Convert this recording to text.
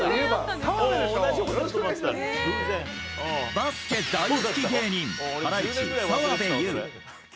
バスケ大好き芸人ハライチ澤部佑。